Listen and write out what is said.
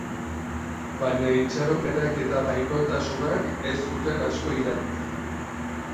Baina itxaropenak eta baikortasunak ez zuten asko iraun.